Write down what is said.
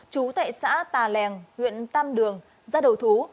chú tại xã tà lèng huyện tam đường ra đầu thú